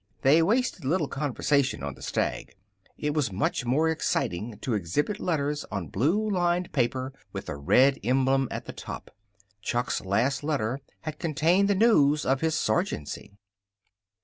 They wasted little conversation on the stag. It was much more exciting to exhibit letters on blue lined paper with the red emblem at the top. Chuck's last letter had contained the news of his sergeancy.